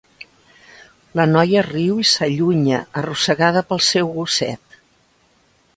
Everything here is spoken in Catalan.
La noia riu i s'allunya, arrossegada pel seu gosset.